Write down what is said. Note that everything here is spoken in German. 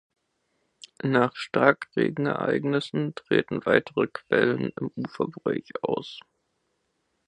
Nach Starkregenereignissen treten weitere Quellen im Uferbereich aus.